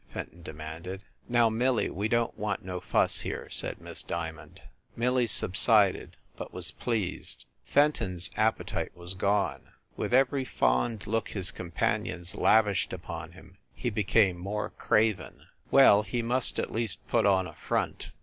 Fenton demanded. "Now, Millie, we don t want no fuss here," said Miss Diamond. Millie subsided, but was pleased. Fenton s appe tite was gone. With every fond look his compan ions lavished upon him he became more craven. 162 FIND THE WOMAN Well, he must at least put on a "front."